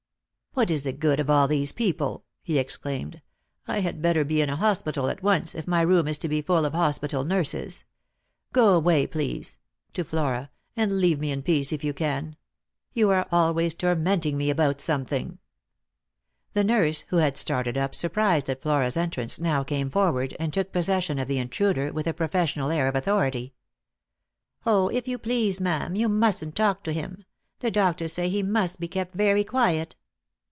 " What is the good of all these people ?" he exclaimed. " I had better be in a hospital at once, if my room is to be full of hospital nurses. Go away, please," to Flora ;" and leave me in peace, if you can. You are always tormenting me about some thing." The nurse, who had started up, surprised at Flora's entrance, now came forward, and took possession of the intruder, with a professional air of authority. " Oh, if you please, ma'am, you mustn't talk to him. The doctors say he must be kept very quiet."